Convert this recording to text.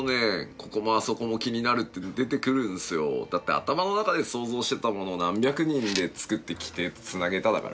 ここもあそこも気になるっていうの出てくるんすよだって頭の中で想像してたものを何百人で作ってきてつなげただから